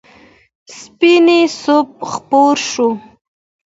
سپین صبح خپور شو.